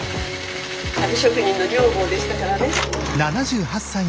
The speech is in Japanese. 足袋職人の女房でしたからね。